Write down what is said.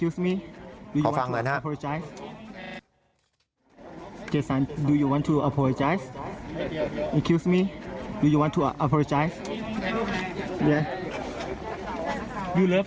พี่อยากกันออกไหมครับ